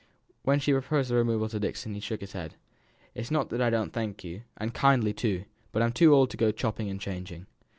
When she proposed the removal to Dixon he shook his head. "It's not that I don't thank you, and kindly, too; but I'm too old to go chopping and changing."